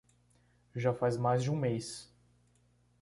Já faz mais de um mês